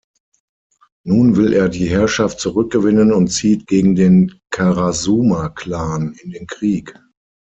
Nun will er die Herrschaft zurückgewinnen und zieht gegen den "Karasuma-Clan" in den Krieg.